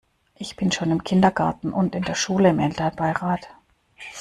Ich bin schon im Kindergarten und in der Schule im Elternbeirat.